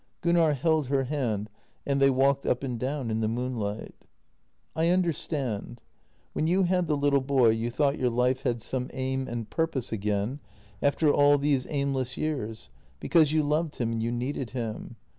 Gunnar held her hand and they walked up and down in the moonlight. " I understand. When you had the little boy you thought your life had some aim and purpose again after all these aimless years, because you loved him and you needed him.